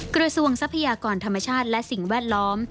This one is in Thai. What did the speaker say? กระทรวงทรัพยากรธรรมชาติและสิ่งแวดล้อม